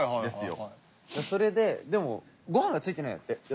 それででもご飯が付いてないんだって。